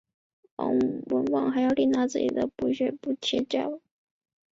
王文旺还要另拿自己的积蓄补贴博物馆运营。